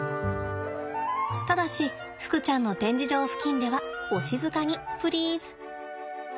ただしふくちゃんの展示場付近ではお静かにプリーズ。